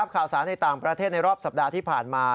ข่าวสารในต่างประเทศในรอบสัปดาห์ที่ผ่านมา